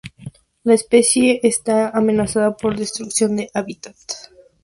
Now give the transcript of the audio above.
La especie está amenazada por destrucción de hábitat.